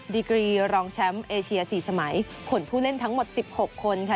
ดีกรีรองแชมป์เอเชีย๔สมัยขนผู้เล่นทั้งหมด๑๖คนค่ะ